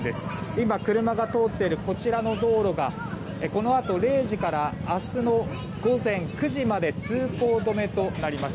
今、車が通っているこちらの道路がこのあと０時から明日の午前９時まで通行止めとなります。